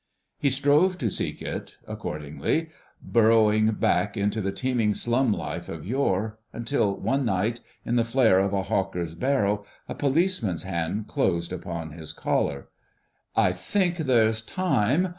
He strove to seek it, accordingly, burrowing back into the teeming slum life of yore, until one night, in the flare of a hawker's barrow, a policeman's hand closed upon his collar. "... I think there's time.